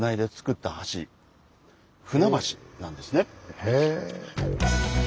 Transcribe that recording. へえ。